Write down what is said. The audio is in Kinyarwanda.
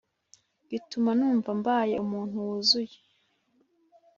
gituma numva mbaye umuntu wuzuye